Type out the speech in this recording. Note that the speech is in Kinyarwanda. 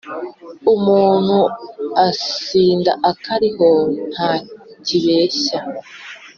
Umuntu asinda akariho nta kibeshya